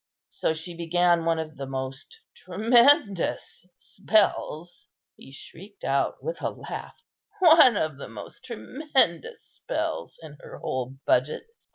So she began one of the most tremendous spells," he shrieked out with a laugh, "one of the most tremendous spells in her whole budget.